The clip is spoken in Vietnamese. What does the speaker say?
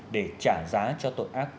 để trả giá cho tội ác